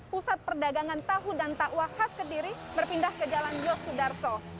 pusat perdagangan tahu dan takwa khas kediri berpindah ke jalan yosudarso